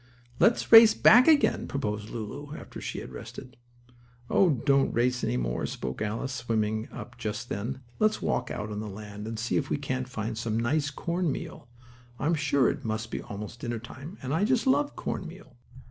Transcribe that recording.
"Let's race back again," proposed Lulu, after she had rested. "Oh, don't race any more," spoke Alice, swimming up just then. "Let's walk out on land and see if we can't find some nice corn meal. I'm sure it must be almost dinner time, and I just love corn meal."